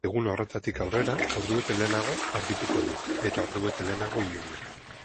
Egun horretatik aurrera, ordubete lehenago argituko du eta ordubete lehenago ilundu.